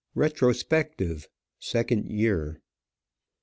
RETROSPECTIVE. SECOND YEAR.